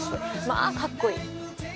まあかっこいい！